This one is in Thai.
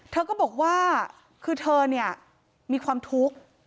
เธอก็บอกว่าคือเธอเนี่ยมีความทุกข์